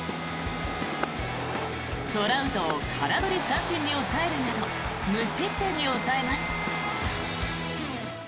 トラウトを空振り三振に抑えるなど無失点に抑えます。